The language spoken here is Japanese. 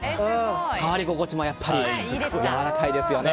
触り心地もやわらかいですよね。